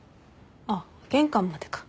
あっ玄関までか。